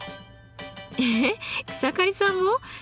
え草刈さんも？